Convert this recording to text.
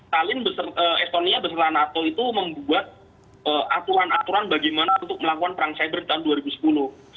talim estonia beserta nato itu membuat aturan aturan bagaimana untuk melakukan perang cyber tahun dua ribu sepuluh